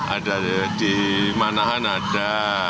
ada di manahan ada